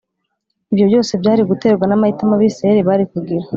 Ibyo byose byari guterwa n’amahitamo Abisirayeli bari kugira